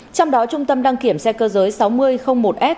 trong đó trung tâm đăng kiểm xe cơ giới sáu nghìn một s